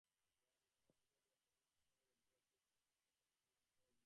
জ্ঞানের দ্বারা বোঝায় যে, ধর্মমতের ঊর্ধ্বে একটি অবস্থা লাভ করা গিয়াছে।